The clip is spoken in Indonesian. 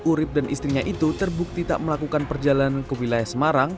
urib dan istrinya itu terbukti tak melakukan perjalanan ke wilayah semarang